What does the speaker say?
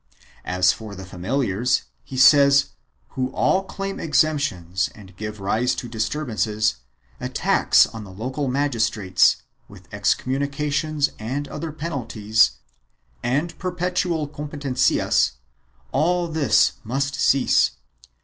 As for the familiars, he says, who all claim exemptions and give rise to disturbances, attacks on the local magistrates, with excommunications and other penalties, and perpetual competencias, all this must cease.